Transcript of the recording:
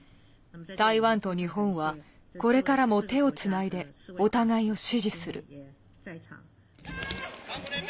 台湾と日本はこれからも手をつないでお互いを支持する。